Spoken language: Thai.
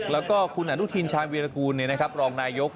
แล้วก็คุณอนุทินชาญวีรกูลรองนายก